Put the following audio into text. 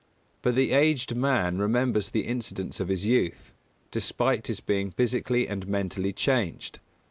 _But the aged man remembers the incidents of his youth, despite his being physically and mentally changed.